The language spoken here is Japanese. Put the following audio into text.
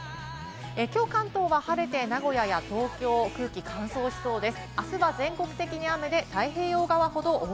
今日、関東は晴れて名古屋や東京、空気が乾燥しそうです。